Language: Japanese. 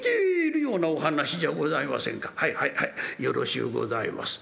はいはいはいよろしゅうございます。